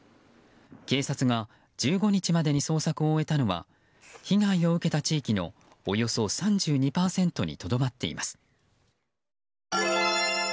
警察が１５日までに捜索を終えたのは被害を受けた地域のおよそ３２％にとどまっています。